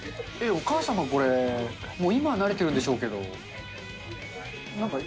お母様これ、もう今は慣れてるんでしょうけども。